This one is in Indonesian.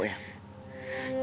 rin asal lo tau